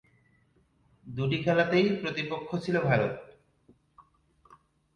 দুটি খেলাতেই প্রতিপক্ষ ছিল ভারত।